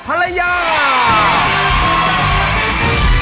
ขอบคุณครับ